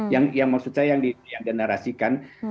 yang maksud saya yang dinarasikan